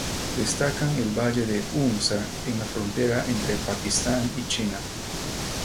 Destacan el valle de Hunza en la frontera entre Pakistán y China.